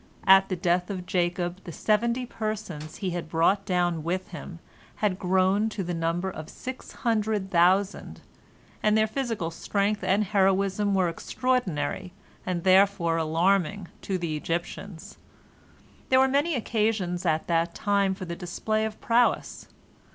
At the death of Jacob the seventy persons he had brought down with him bad grown to the number of six hundred thousand, and their physical strength and heroism were extraordinary and therefore alarming to the Egyptians. There were many occasions at that time for the display of prowess.